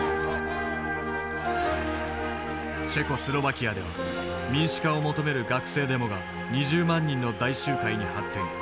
チェコスロバキアでは民主化を求める学生デモが２０万人の大集会に発展。